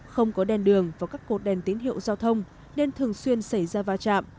không có đèn đường và các cột đèn tín hiệu giao thông nên thường xuyên xảy ra va chạm